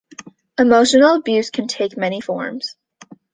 Emotional abuse can take many forms.